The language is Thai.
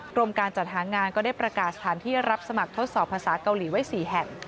กรมการจัดหางานก็ได้ประกาศสถานที่รับสมัครทดสอบภาษาเกาหลีไว้๔แห่ง